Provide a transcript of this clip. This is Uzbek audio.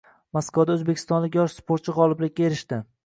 Moskvada o‘zbekistonlik yosh sportchi g‘oliblikka erishdi